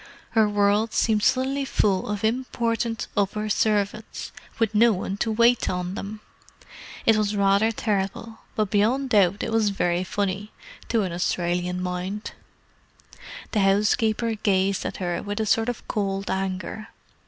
Her world seemed suddenly full of important upper servants, with no one to wait on them. It was rather terrible, but beyond doubt it was very funny—to an Australian mind. The housekeeper gazed at her with a sort of cold anger.